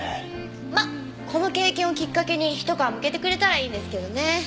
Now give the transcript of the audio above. まっこの経験をきっかけにひと皮剥けてくれたらいいんですけどね。